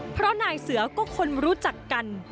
เพราะนายเสือก็คนรู้จักกัน